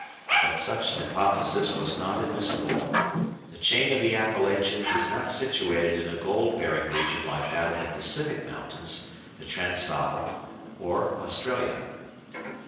But such an hypothesis was not admissible. The chain of the Appalachians is not situated in a gold bearing region like that of the Pacific mountains, the Transvaal, or Australia.